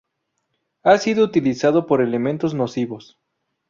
Ha sido utilizado por elementos nocivos